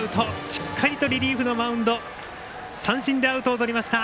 しっかりとリリーフのマウンド三振でアウトをとりました。